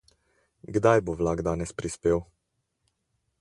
Kdaj bo vlak danes prispel?